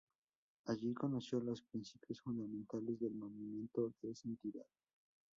Allí conoció los principios fundamentales del movimiento de Santidad.